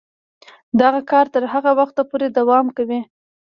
دغه کار تر هغه وخته پورې دوام کوي.